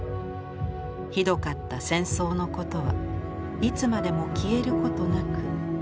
ひどかった戦争のことはいつまでもきえることなくつづいています」。